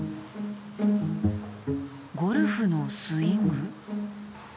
ゴルフのスイング？